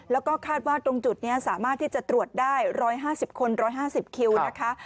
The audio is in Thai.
แล้วก็คาดว่าตรงจุดนี้สามารถที่จะตรวจได้๑๕๐คน๑๕๐คิวนะคะ